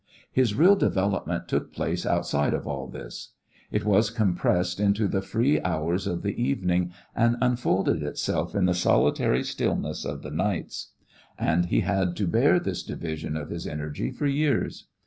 His real development took place outside of all this; it was compressed into the free hours of the evening and unfolded itself in the solitary stillness of the nights; and he had to bear this division of his energy for years.